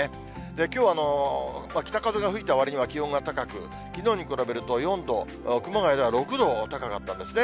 きょう、北風が吹いたわりには気温が高く、きのうに比べると４度、熊谷では６度高かったんですね。